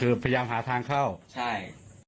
คือพยายามหาทางเข้าใช่